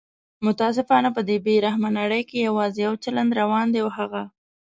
متاسفانه په دې بې رحمه نړۍ کې یواځي یو چلند روان دی او هغه